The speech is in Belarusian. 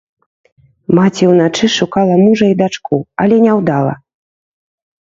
Маці ўначы шукала мужа і дачку, але няўдала.